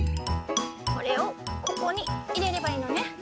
これをここにいれればいいのね。